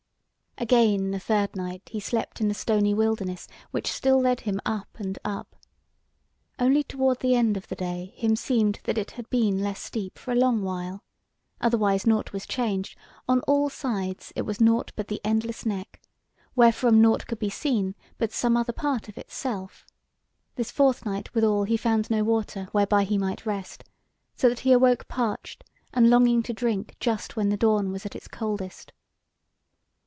Again, the third night, he slept in the stony wilderness, which still led him up and up. Only toward the end of the day, himseemed that it had been less steep for a long while: otherwise nought was changed, on all sides it was nought but the endless neck, wherefrom nought could be seen, but some other part of itself. This fourth night withal he found no water whereby he might rest, so that he awoke parched, and longing to drink just when the dawn was at its coldest.